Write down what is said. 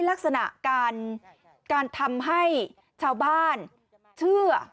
ลักษณะการทำให้ชาวบ้านเชื่อ